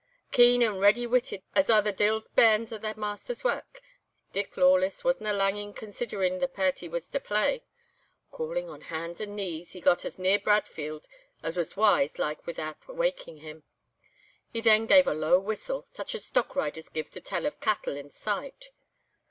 "Keen and ready witted as are the de'il's bairns at their master's wark, Dick Lawless wasna lang in conseedering the pairt he was to play. Crawling on hands and knees, he got as near Bradfield as was wise like without awaking him. He then gave a low whistle, such as stockriders give to tell of cattle in sight.